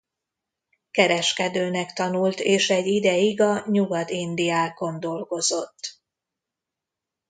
Kereskedőnek tanult és egy ideig a Nyugat-Indiákon dolgozott.